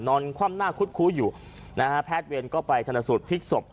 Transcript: นอนความหน้าคุดคู้อยู่นะฮะแพทย์เวียนก็ไปทันสุดพลิกศพ